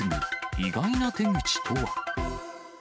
意外な手口とは。